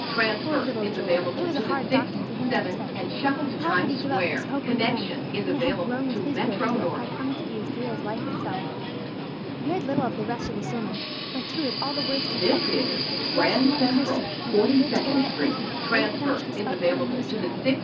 Poor little Joel, it was a hard doctrine for him to accept! How could he give up his hope of revenge, when it had grown with his growth till it had come to be as dear as life itself? He heard little of the rest of the sermon, for through it all the words kept echoing, "Bless them that curse you! Do good to them that hate you! Pray for them which despitefully use you!"